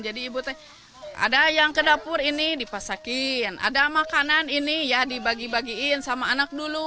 jadi ibu ada yang ke dapur ini dipasakin ada makanan ini dibagi bagiin sama anak dulu